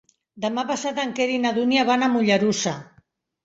Demà passat en Quer i na Dúnia van a Mollerussa.